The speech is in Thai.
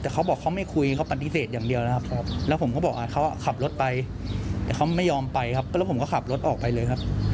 ก็บอกว่ารู้สึกผิดและอยากขอโทษค่ะ